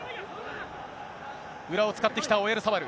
裏を使ってきた、オヤルサバル。